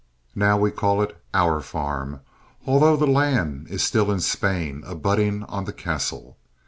Now we call it "our farm," although the land is still in Spain abutting on the castle.